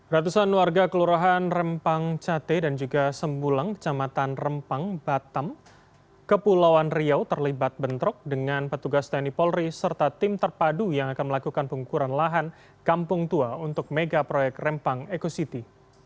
ratusan warga kelurahan rempang cate dan juga sembulang kecamatan rempang batam kepulauan riau terlibat bentrok dengan petugas tni polri serta tim terpadu yang akan melakukan pengukuran lahan kampung tua untuk mega proyek rempang eco city